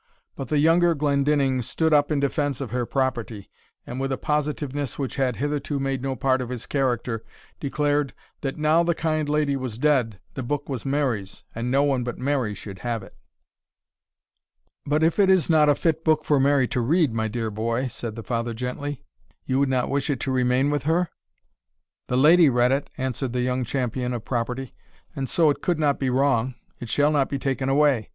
But the younger Glendinning stood up in defence of her property, and, with a positiveness which had hitherto made no part of his character, declared, that now the kind lady was dead, the book was Mary's, and no one but Mary should have it. "But if it is not a fit book for Mary to read, my dear boy," said the father, gently, "you would not wish it to remain with her?" "The lady read it," answered the young champion of property; "and so it could not be wrong it shall not be taken away.